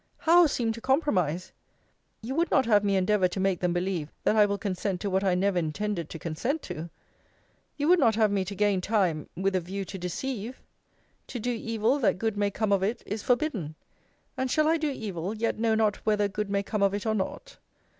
How seem to compromise? You would not have me endeavour to make them believe, that I will consent to what I never intended to consent to! You would not have me to gain time, with a view to deceive! To do evil, that good may come of it, is forbidden: And shall I do evil, yet know not whether good may come of it or not?